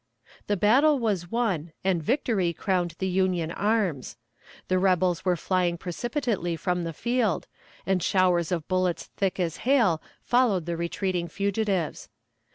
The battle was won, and victory crowned the Union arms. The rebels were flying precipitately from the field, and showers of bullets thick as hail followed the retreating fugitives.